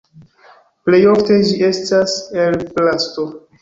Plejofte ĝi estas el plasto.